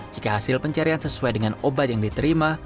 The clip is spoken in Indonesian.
jika hasil pencarian sesuai dengan obat yang diterima